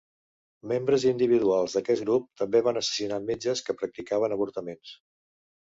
Membres individuals d'aquest grup també van assassinar metges que practicaven avortaments.